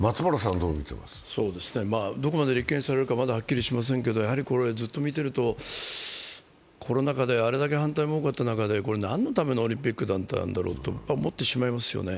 どこまで立件されるかまだはっきりしませんが、やはりこれずっと見てると、コロナ禍でコロナ禍であれだけ反対も多かった中で、何のためのオリンピックだったんだろうと思ってしまいますよね。